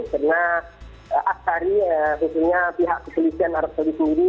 karena asari eh sebetulnya pihak keselisihan arab saudi sendiri